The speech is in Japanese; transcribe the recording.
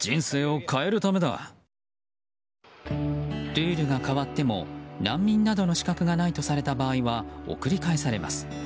ルールが変わっても難民などの資格がないとされた場合は送り返されます。